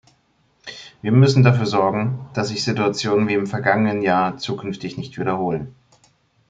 Wir müssen dafür sorgen, dass sich Situationen wie im vergangenen Jahr zukünftig nicht wiederholen.